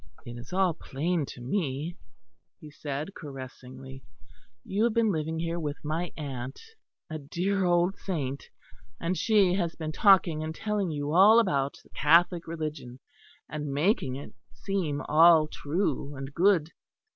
"It is all plain to me," he said, caressingly. "You have been living here with my aunt, a dear old saint; and she has been talking and telling you all about the Catholic religion, and making it seem all true and good.